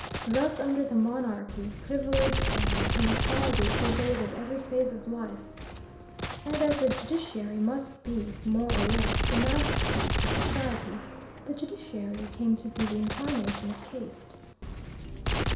Thus under the monarchy privilege and inequality pervaded every phase of life, and, as the judiciary must be, more or less, the mouthpiece of society, the judiciary came to be the incarnation of caste.